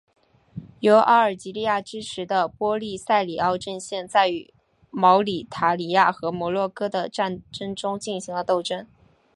由阿尔及利亚支持的波利萨里奥阵线在与毛里塔尼亚和摩洛哥的战争中进行了斗争。